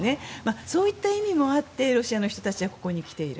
そういった意味もあってロシアの人たちはここに来ている。